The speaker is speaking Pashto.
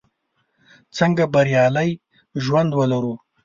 څنګه بریالی ژوند ولرو?